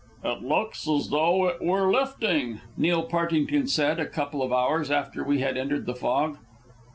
"It looks as though it were lifting," Neil Partington said, a couple of hours after we had entered the fog.